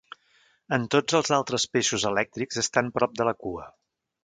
En tots els altres peixos elèctrics estan prop de la cua.